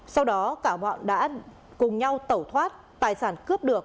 sau đó cả bọn đã cùng nhau tẩu thoát tài sản cướp được